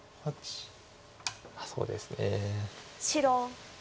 そうですね。